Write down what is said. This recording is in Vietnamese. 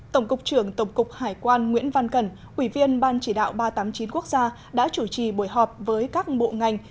tổng cục trưởng tổng cục hải quan nguyễn văn cẩn ủy viên ban chỉ đạo ba trăm tám mươi chín quốc gia đã chủ trì buổi họp với các bộ ngành